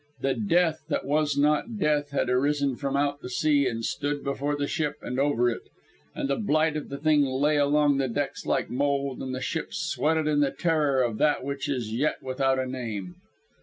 The Death that was not Death had arisen from out the sea and stood before the ship, and over it, and the blight of the thing lay along the decks like mould, and the ship sweated in the terror of that which is yet without a name.